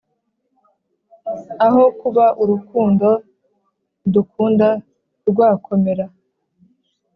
aho kuba urukundo idukunda rwakomera